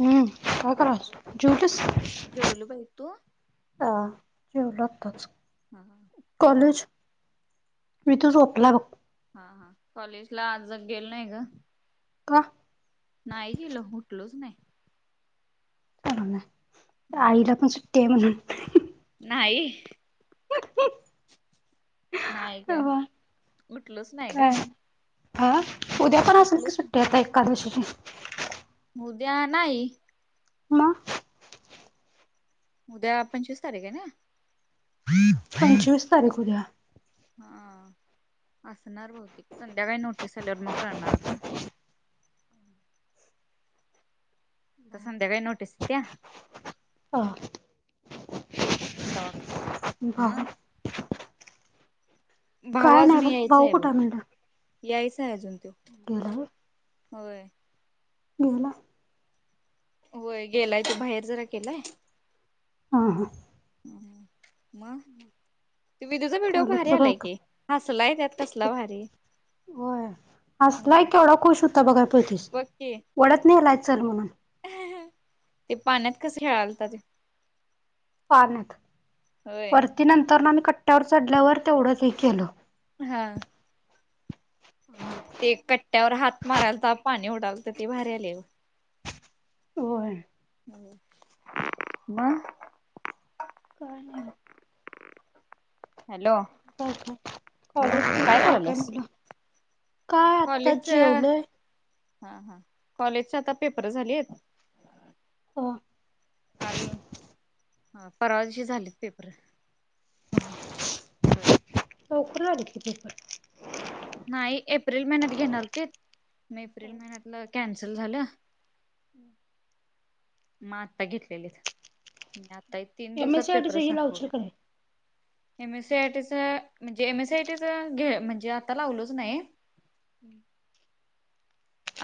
हम् काय बोल कराल्या की. जेवलीस? जेवलो बाई तू? हा जेवलो आताच. हा हा. विदू कॉलेज? मी तू झोपला बघ. हा हा कॉलेज ला आज गेलो नाही ग. का? नाही गेलो उठलोच नाही. चालू आईला पण सुट्टी आहे म्हणून. नाही. नाही अ ग उठलोच नाही काय ग. ह. उद्या पण असल की उठलोच नाही. सुट्टी आता एकादशीची. उद्या नाही. मग. उद्या पंचवीस तारीख हे ना पंचवीस तारीख उद्या हा असणार बहुतेक संध्याकाळी नोटीस आल्यावर मग कळणार आता आता संध्याकाळी नोटीस येत्या हा तवा क हं भाऊ भाऊ काय नाही अजून बघ यायचा भाऊ आहे बघ कुठे म्हणलं यायचाय अजून तो गेला व्हय व्हय गेला व्हय गेलाय तो बाहेर जरा गेलाय. हा हा म त्यो विदुचा व्हिडिओ भारी कॉलेजचं काय आलाय का की, हसलाय त्यात कसला भारी. व्हय. हसलाय केवढा खुश हूता बघाय पयतीस, बघ की वडत नेलाय चल म्हणून. ते पाण्यात कस खेळालता त्यो. पाण्यात, होय वरती नंतर न आम्ही कट्ट्यावर चढल्यावर तेवढंच हे केलो. हा. ते कट्ट्यावर हात मारालता पाणी उडालत ते भारी आलंय बघ. व्हय. मग काय नाही मग हॅलो कायच नाय, मग कॉलेज काय करायल्यास? म्हणलं? काय आता जेवलोय. हा-हा, कॉलेजचे आता पेपर झालीत. आ काल हा परवा दिशी झालीत पेपर. [inaudible] होय. लवकर झालेत की पेपर. नाही एप्रिल महिन्यात घेणार होतित, म एप्रिल महिन्यातलं कॅन्सल झालं. हं मग आता घेतलेलीत, म आता एक तीन एम दिवसात एस सी आय टी च पेपर हे लावशील संपवलीत. का नाही? एम एस सी आय टीचं म्हणजे, एम एस आय टीचं घे म्हणजे आता लावलोच नाही.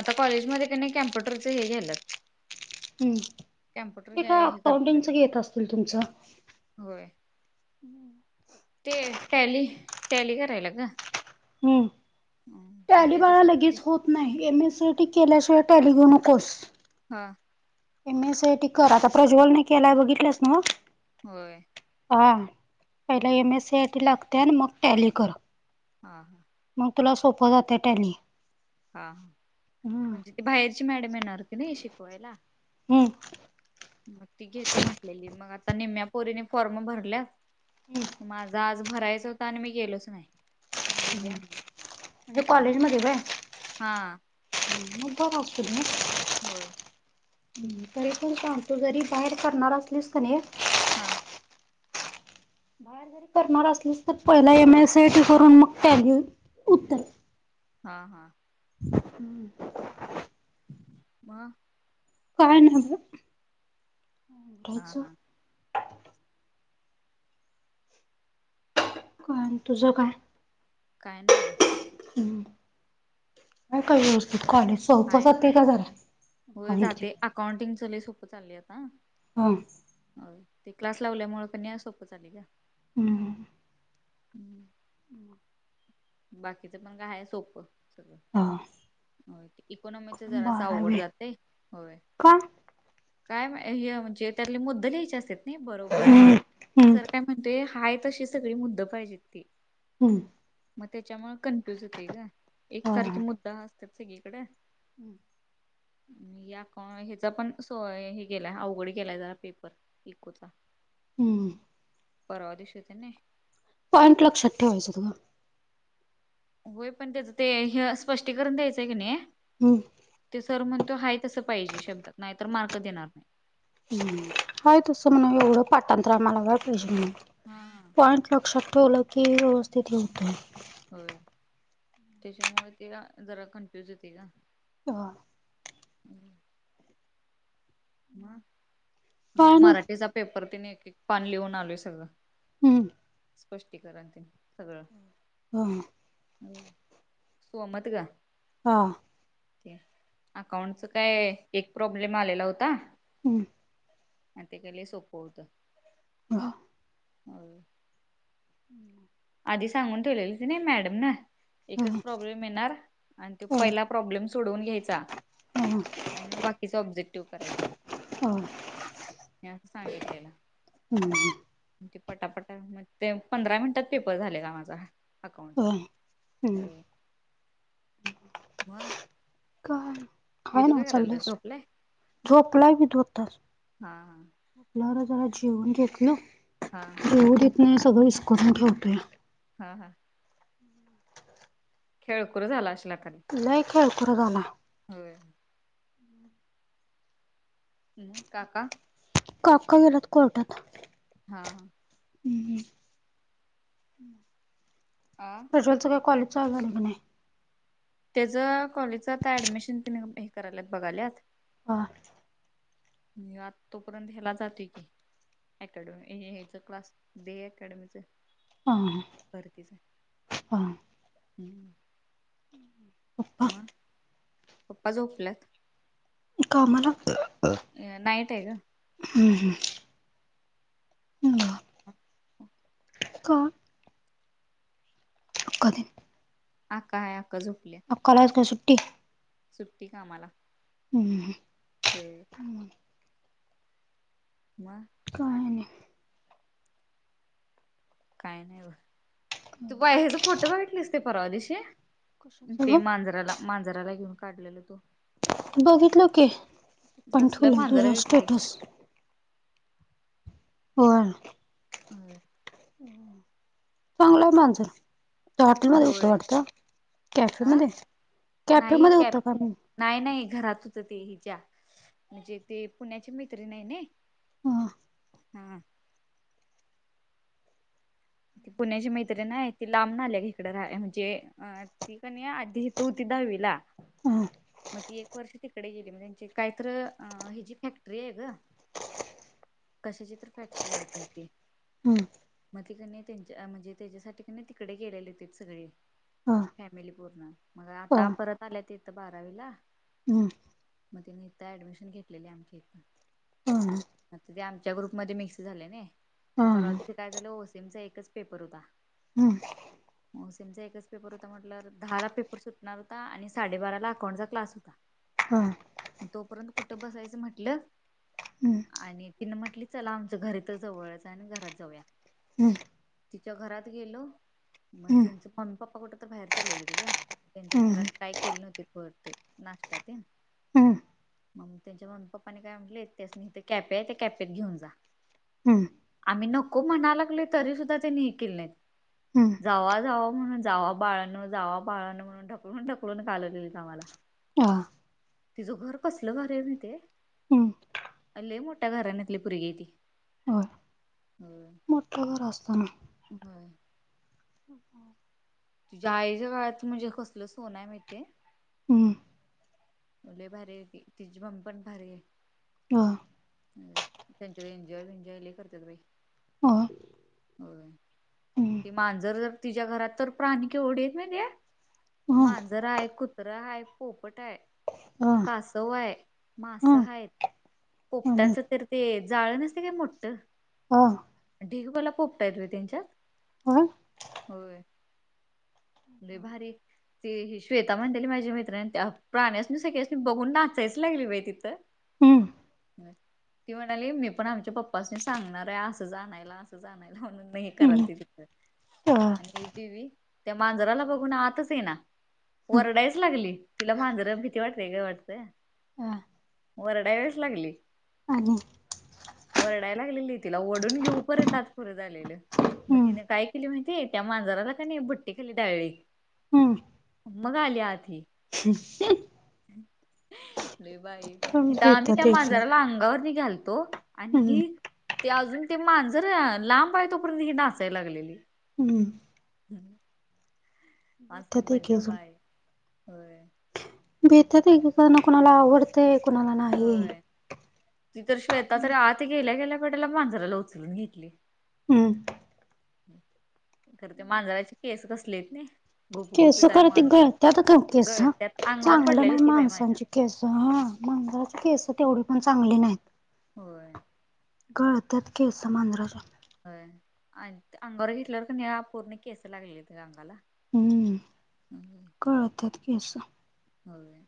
आता कॉलेजमध्ये क नाय, कॅम्प्युटरच हे घ्यायल्यात. हम्म कॅम्प्युटर ते घ्या का हे करणार आहेत. अकाउंटिंगच घेत असतील तुमचं. होय. हं ते टॅली, टॅली करायला ग. हम्म, मग टॅली बाळा त्याच्यासाठी लगेच हुत नाही, M S C I T केल्याशिवाय टॅली घेऊ नकोस. हा. M S C I T कर, आता प्रज्वलने केलाय बघितलंस नव्ह. होय. हा पहिला M S C I T लागते, मग टॅली कर हां! हां! ! मग तुला सोपं जातं टॅली! हा! हा! हम्म. म्हणजे ती बाहेरची मॅडम येणार की नाही शिकवायला. हम्म. मग ती घेतो म्हटलेलीमग आता! निमम्या पोरीने फॉर्म भरल्यास हक [inaudible] माझा आज भरायच होता, आणि मी गेलोच नाही! मग हम्! उद्या म्हणजे कॉलेजमध्ये होय! हा! ! मग बरं असेल! होय! ह तरी कोण सांग तू? जरी बाहेर करणार असलीस का नाही? हां! ! बाहेर जरी करणार असल्यास तर, पहिला M S C I T करून मग टॅली उत्तर! हा! हा! ! हम्म! ! वा! ! काय नाही हव? हां! हां! ! का तुझं काय? काय नाही बघ! ! ह! म कायत कॉलेज! हाय चौथच का जराॉंट! ! अकाउंटिंग चले सोपं चालली आता! ! हो! ! ह! ते क्लास लावल्यामुळे पण सोपं ले का? हम्म! ! हम! ! हम् [unintelligible] बाकीचं पण कायय सोपं सगळं? हां! ! हो! ते इकोनॉमीच जरा सावघड जाते होय. का काय हे म्हणजे त्यातले मुद्द! ल्यायचे असेत नाही बरोबर हम्म हम्म सर काय? ते हाय! त अशी सगळी मुद्द पाहिजेत ती हम्म! ! मग त्याच्यामुळे कन्फ्युज होते का? हा एकसारखे मुद्दा असतात सगळीकडे हम्म! ! म ह्याचा पण स हे! केलाय अवघड केलाय जरा, पेपर पिकोचा हम्म! [unintelligible] पररवा दिसो तने! पॉईट लक्षात ठेवायचं तुं! ! होय पण, त्याचं ते ह! स्पष्टीकरण द्यायचंय की नाही? हम! ! ते सर म्हणतो हाय तसं पाहिजे, शब्दात नाही तर मार्क देणार नाही! ह तसं म्हण एवढं! पाठांतरा आम्हाला वेळ पाहिजे म्हणून! ! हा. पॉईंट लक्षात ठेवलं क व्यवस्थिती होते आहे. होय त्याच्यामुळे ते जरा कन्फ्युज होते का. ह. ह. ह नाही मराठीचा पेपर तिने एक एक पान लिहून आलोय सगळं. हम्म. स्पष्टीकरण ते सगळं. हां. सोमत का. हा. अकाउंटच काय एक प्रॉब्लेम आलेला होता. हम. आणि ते काले सोपं होतं. हा. हो. हम्. आधी सांगून ठेवलेली नाही मॅडम ना एकच हं प्रॉब्लेम. णार आणि त हं पहिला प्रॉब्लेम सोडवून घ्यायचा. हं आणि मग बाकीचं ऑब्जेक्टिव्ह करायचं. हो. असं सांगितलेलं. हम्म. ते पटापटा मग ते पंधरा मिनिटात. पेपर झाले का माझा अकाउंटचा. हं हम्म वा. काय काय ना चाललेस झोपलाय झोपला बी ध होतास. हा ल ना जरा जेवन घेतल. हा. एवढीत नाही सगळं विस्कून ठेवते. हा हा. खेळकुर झाला असले आता. लय केळकर झाला. होय. हम् काका. काका गेले कोर्टात. हा. हम्म हम्म्. आं. प्रज्वल कॉलेज चालू आहे का नाही का. त्याच कॉलेजच आ ऍडमिशन ति हे करायत बघाल्यात. हां. मी आ तोपर्यंत्याला जातोय की. अकॅडमीचा क्लास दे अकॅडमीच. हा परतीच हा हम्म. पप्पा मग पप्पा झोपल्यात. कामाला नाईट आहे हम् ग. हम्, हो. काय कधी आका आहे. आका झोपल्या. आकाला आज काय सुट्टी. सुट्टी कामाला हमं, होय. मग काय नाही. काय नाही ब तू बाय ह्याचा फोटो बघितलीस ते परवा दिशी. कशाच ते ग मांजराला मांजराला घेऊन काढलेल तो? बघितलो कि, पण कसलं ठेवले मांजर तुझा आहे किती स्टेटस. होय. चांगलं आहे मांजर. हॉटेल मध्ये होतं होय वाटतं. कॅफे अ मध्ये कॅफे नाही मध्ये कॅप होतं का मग नाही नाही घरात होतं ते हिच्या म्हणजे ते पुण्याचे मैत्री नाही ने हां, हा, पुण्याची मैत्रिण आहे. ती लांब न आल्या इकडं राहाय म्हणजे अ ती का नाही इथं होती दहावीला हा मग ती एक वर्ष तिकडे गेली मग त्यांची काहीतर हिची फॅक्टरी आहे ग. कशाची तरी फॅक्टरी आहे तिथे. हम्म, मग ते का नाही त्यांच्या म्हणजे त्याच्यासाठी का नाही तिकडे गेलेले ते सगळे. हां, फॅमिली पूर्ण मग आता परत आल्या त इथं बारावीला. हं, मग त्यांनी इथं ऍडमिशन घेतलेली आखीन हा, मग त ते आमच्या ग्रुपमध्ये मिक्स झाले ने मग परवा हम्म दिवशी काय झालं ओसीमचा एकच पेपर होता. [inaudible] ओसिमचा एकच पेपर होता म्हटल्यावर दहा ला पेपर सुटणार होता आणि साडेबारा ला अकांऊट क्लास हो हं, तोपर्यत कुठं बसायचं म्हटलं हम्म आणि तिनं म्हटली चला आमचं घरी तर जवळच आणि घरात जाऊया. हम्म तिच्या घरात गेलो मग हम्म त्यांचं मम्मी पप्पा कुठं तर बाहेर चालेल कि ग त्यांच्या हम्म घरात काय केले नव्हते. बहुतेक नाश्ता ते हम्म मग त्यांच्या मम्मी पप्पा ने काय म्हटले त्यासनी इथं कॅपे आहे त्या कॅपेत घेऊन जा. हम्म, आम्ही नको म्हणा लागलो तरी सुुद्धा त्यांनी हे केले नाहीत. हम्म जावा जावा म्हणून जावा बाळांनो जावा बाळांनो म्हण ढकलून ढकलून घालवले आम्हाला आ, तिचं घर कसलं भारी आहे माहिती आहे. हम्म लई मोठ्या घराण्यातली पोरगी आहे, ती [unintelligible] [unintelligible] मोठ घर असतना व्हय [unintelligible] तिच्या आईच्या गळ्यात म्हणजे कसलं सोन आहे माहिेती आहे हम् लई भारी आहे ती, तिची ममी पण भारी आहे. [unintelligible] त्यांच्यात एन्जॉय बेन्जॉय लई करतात बाई होय ती मांजर जर तिच्या घरात तर प्राणी केवढे आहेत माहिती आहे. मांजरं आहे, कुत्र आहे, पोपट आहे [unintelligible] कासव आहे, मसं आहेत पोपटांच तर ते, जाळ नसते काय मोठ? [unintelligible] ढिगवाल पोपट हाईत त्यांच्यात [unintelligible] होय लई भारी ती श्वेता म्हणत्याली माझी मैत्रीण त्या प्राण्यासनी सगळ्यासनी बघून नाचायाच लागली बाई ती तर हम्म ती म्हणाली मी पण आमच्या पप्पासनी सांगणार आहे असंच आणायला जानायला म्हणून नाही कराल तिकड आणि डी व्ही त्या मांजराला बघून आतच ये ना वरडायच लागली तिला मांजरा भीती वाटते वेगळं वाटतंय. [unintelligible] वरडा याच लागली आणि वरडाय लागलेली तिला ओढून घेऊ पर्यंत आज पुरं झालेलं मग तिने काय केली माहितीय त्या मांजराला का नाही भट्टी खाली डायळी हम्म मग आली आत ही [unintelligible] लई बाई इथ आम्ही त्या माजराला अंगावर नि घालतो आणि ही ते अजून ते मांजर लांब आहे तोपर्यंत ही नाचायला लागलेली. हम्म [unintelligible] असली मज्जा बाय, होय [unintelligible] कोणाला आवडतंय कोणाला नाही होय. ती तर श्वेता तर आत गेल्या गेल्या कडेला मांजराला उचलून घेतली हम्म खरं ते मांजराचे केसच लय आहेत नाही. केसं गुपगुपीत आहे खरं ते मांजर. गळत्यात गं केसं, गळत्यात अंगावर चांगलं पडलेली नाई ती बाई माझ्या माणसांची केस मांजराचे केस तेवढे पण चांगली नाहीत. होय. गळत्यात केसं मांजराची होय,, आणि अंगावर घेतल्यावर का नाही पूर्ण केस लागलेलीत अंगाला हम्म, गळत्यात केसं. होय.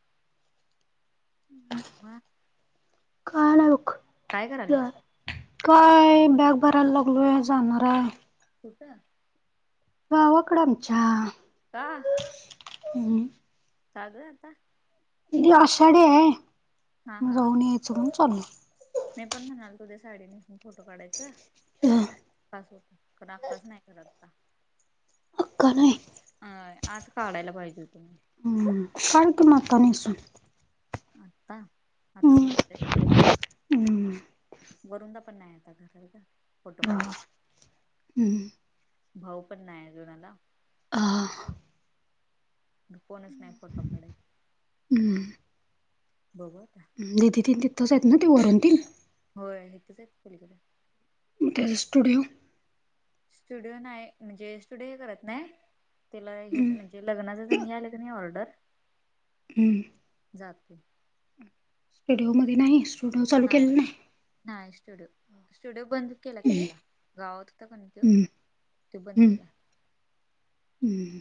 काय काय नाही काय बघ, करायल्यास? काय बॅग भरायला लागलोय, जाणार हाय. कुठं? गावाकडं आमच्या. का? हं. साध आता. उद्या आषाढी आहे, म जाऊन यायच म्हणून चालूय. नाही पण म्हणालतो उद्या साडी निसुन फोटो काढायचं,, खास होतो आक्काच नाही करत आता. अक्का नाही. अ आज काढायला पाहिजे तुम्ही. हम्म, काढ की मग आत्ता नेसून. आत्ता, आता हम्म झोपलेत. हम्म वरुंनदा पण नाही आता घरात गं, फोटो हा काढायला. हम्म भाऊ पण नाही अजुन आला. हां. फोनच नाही फोटो काढाय, हम्म बघु आता. दिदी तीन तिथंच आहेत ना ते वरून तन. होय हितच हायत, पलिकडं. मग त्याच स्टुडिओ? स्टुडिओ नाही, म्हणजे स्टुडिओ हे करत नाही, तिला हे हम्म म्हणजे लग्नाचं तर हे आलं का नाही ऑर्डर, हम्म. जातोय. स्टुडिओ मध्ये नाही, स्टुडिओ चालू केला नाही. नाही स्टुडिओ. स्टुडिओ बंद केला तिथला, गावात होता कणी तो, हम्म तो बंद हम्म केला. हम्म.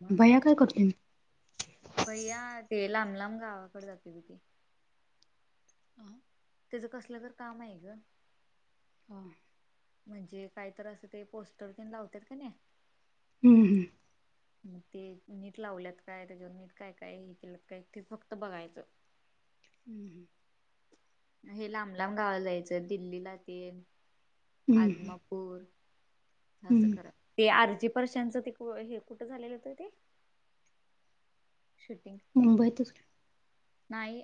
मग भैय्या काय करतोय? भैया ते लांब लांब गावाकडं जातोय भैया. तेज कसलं तरी काम आहे गं. हा. म्हणजे काहीतर असं ते पोस्टर तन लावत्यात का नाही, हम्म हम्म. मग, ते नीट लावल्यात काय त्याच्यावर नीट काय काय हे केलं काय ते फक्त बघायचं. हम् हे लांब लांब गावाला जायचं. दिल्लीला ते [inaudible] हम्म आदम पुर. [inaudible] असं हम्म करा, ते आर्ची परश्यांच ते हे कुठं झालेलं होत ते? शूटिंग मुंबईतच नाही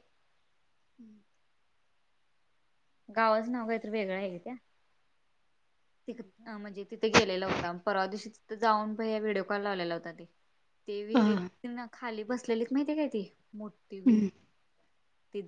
हम्म. गावाचं नाव काहीतरी वेगळं आहे गं त्या. तिक अ म्हणजे तिथे गेलेला होता. परवा दिवशी तिथं जाऊन, भैय्या व्हिडिओ कॉल लावलेला होता ते. ते अ विहिरीत [unintelligible] खाली बसलेलीत माहिती काय ती? मोठी हम्म विहीरं